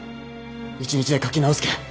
１日で描き直すけん。